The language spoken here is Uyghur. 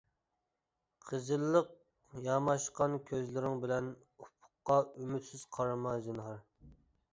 قىزىللىق ياماشقان كۆزلىرىڭ بىلەن، ئۇپۇققا ئۈمىدسىز قارىما زىنھار.